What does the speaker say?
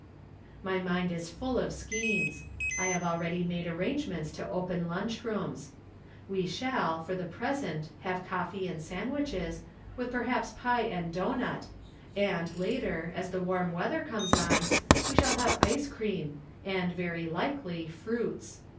My mind is full of schemes. I have already made arrangements to open lunch rooms. We shall, for the present, have coffee and sandwiches, with perhaps pie and doughnut, and, later, as the warm weather comes on, we shall have ice cream, and, very likely, fruits.